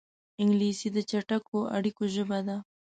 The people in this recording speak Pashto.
انګلیسي د چټکو اړیکو ژبه ده